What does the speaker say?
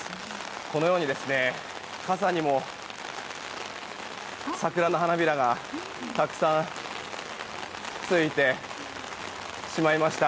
このように傘にも桜の花びらがたくさんついてしまいました。